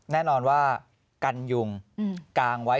แน่นอนว่ากันยุงกางไว้